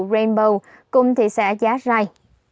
bầu cùng thị xã giá rai